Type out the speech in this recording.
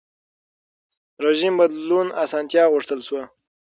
رژیم بدلون اسانتیا غوښتل شوه.